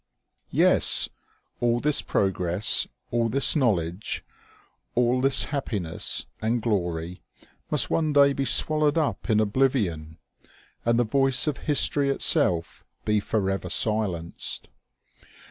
Yes ! all this progress, all this knowledge, all this hap piness and glory, must one day be swallowed up in obliv ion, and the voice of history itself be forever silenced.